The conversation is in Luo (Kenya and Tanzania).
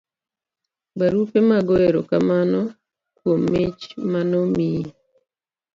barupe mag goyo erokamano kuom mich manomiyi